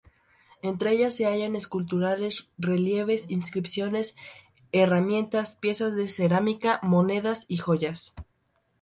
Entre ellas se hallan esculturas, relieves, inscripciones, herramientas, piezas de cerámica, monedas y joyas.